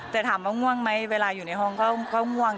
แต่ถามว่าง่วงไหมเวลาอยู่ในห้องก็ง่วง